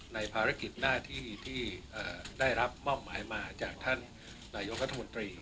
ในภารกิจหน้าที่ที่เอ่อได้รับเมาะหมายมาจากท่านนายกธมตรี